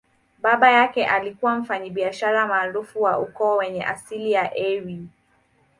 Baba yake alikuwa mfanyabiashara maarufu wa ukoo wenye asili ya Eire.